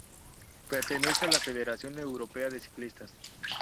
Pertenece a la Federación europea de ciclistas